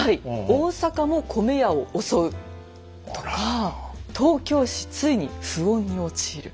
「大阪も米屋を襲う」とか「東京市ついに不穏に陥る」。